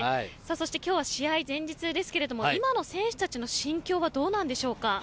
そして、今日は試合前日ですが今の選手たちの心境はどうなんでしょうか？